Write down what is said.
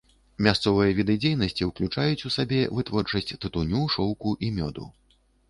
Мясцовыя віды дзейнасці ўключаюць у сабе вытворчасць тытуню, шоўку і мёду.